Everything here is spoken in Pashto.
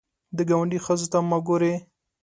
د ګاونډي ښځو ته مه ګورې